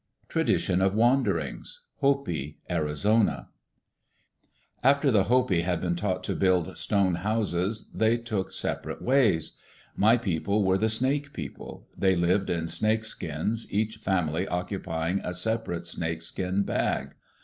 Traditions of Wanderings Hopi (Arizona) After the Hopi had been taught to build stone houses, they took separate ways. My people were the Snake people. They lived in snake skins, each family occupying a separate snake skin bag.